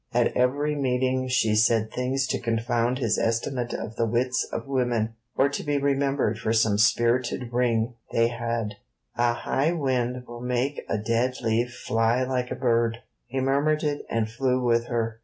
At every meeting she said things to confound his estimate of the wits of women, or be remembered for some spirited ring they had: A high wind will make a dead leaf fly like a bird. He murmured it and flew with her.